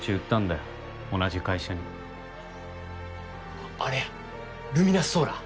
あっあれやルミナスソーラー？